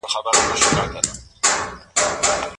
د ارزښت بيانول خلګو ته ښه احساس ورکوي.